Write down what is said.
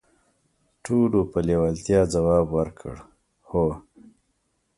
ټولو په لیوالتیا ځواب ورکړ: "هو".